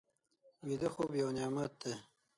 ویده خوب یو نعمت دی